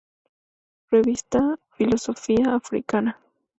Revista Philosophia Africana